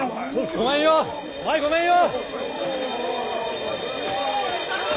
ごめんよ前ごめんよ。